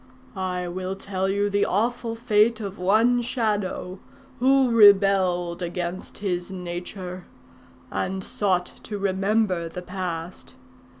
I will tell you the awful fate of one Shadow who rebelled against his nature, and sought to remember the past.